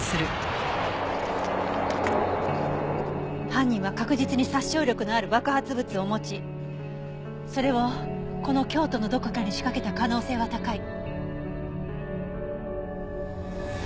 犯人は確実に殺傷力のある爆発物を持ちそれをこの京都のどこかに仕掛けた可能性は高い。